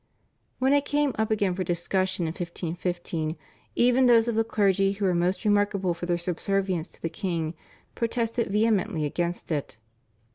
When it came up again for discussion in 1515 even those of the clergy who were most remarkable for their subservience to the king protested vehemently against it.